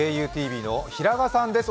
ＫＵＴＶの平賀さんです。